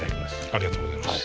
ありがとうございます。